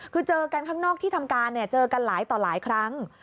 คือเจอกันข้างนอกที่ทำการเนี่ยเจอกันหลายต่อหลายครั้ง